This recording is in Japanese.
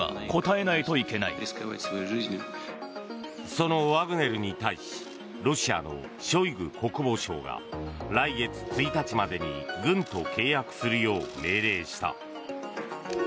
そのワグネルに対しロシアのショイグ国防相が来月１日までに軍と契約するよう命令した。